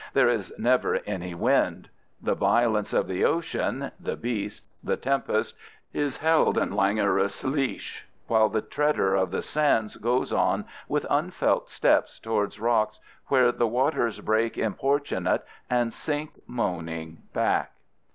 There is never any wind. The violence of the ocean, the beasts, the tempest, is held in languorous leash while the treader of the sands goes on with unfelt steps toward rocks where the waters break importunate and sink moaning back.